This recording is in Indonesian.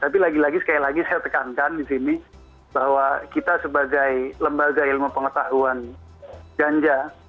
tapi lagi lagi sekali lagi saya tekankan di sini bahwa kita sebagai lembaga ilmu pengetahuan ganja